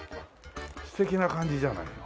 素敵な感じじゃないの。